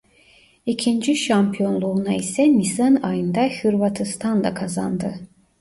İkinci şampiyonluğuna ise Nisan ayında Hırvatistan'da kazandı.